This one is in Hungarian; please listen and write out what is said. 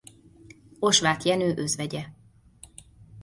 Osváth Jenő özvegye.